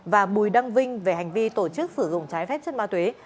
và bùi đăng vinh về hành vi tổ chức sử dụng trái phép chất ma túy